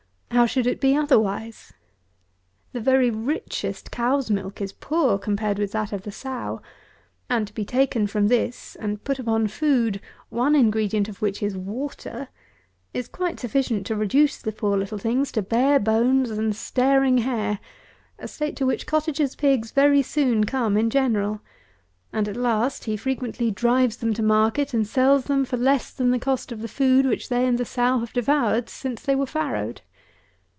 How should it be otherwise? The very richest cow's milk is poor, compared with that of the sow; and, to be taken from this and put upon food, one ingredient of which is water, is quite sufficient to reduce the poor little things to bare bones and staring hair, a state to which cottagers' pigs very soon come in general; and, at last, he frequently drives them to market, and sells them for less than the cost of the food which they and the sow have devoured since they were farrowed.